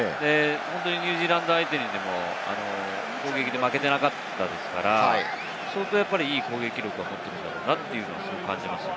ニュージーランド相手に攻撃で負けていなかったですから、相当いい攻撃力を持っているんだなと感じます。